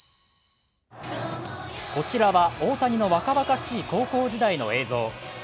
こちらは大谷の若々しい高校時代の映像。